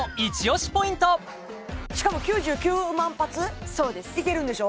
しかも９９万発いけるんでしょ？